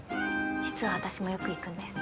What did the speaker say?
実は私もよく行くんです。